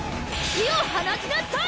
火を放ちなさい！